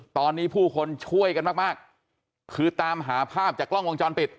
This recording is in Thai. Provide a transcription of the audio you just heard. ตอนนี้ผู้คนช่วยกันมากมากคือตามหาภาพจากกล้องวงจรปิด